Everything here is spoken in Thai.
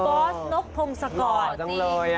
บอสนกพงศ์สกรหล่อจังเลย